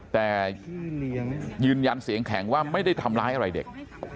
แต่ยืนยันเสียงแข็งว่าไม่ได้ทำร้ายอะไรเด็ก